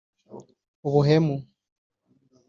ubuhemu